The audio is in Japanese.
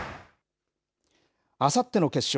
あさっての決勝。